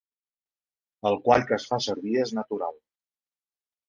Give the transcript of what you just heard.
El quall que es fa servir és natural.